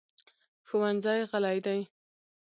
ښوونځی غلی دی.